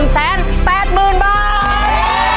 ๑แสน๘หมื่นบาท